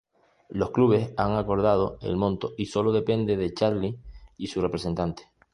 Los clubes han acordado el monto y sólo depende de Charlie y su representante.